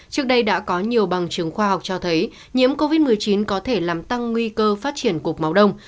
trước đây đã có nhiều bằng chứng khoa học cho thấy nhiễm covid một mươi chín có thể làm tăng nguy cơ phát triển cục máu đông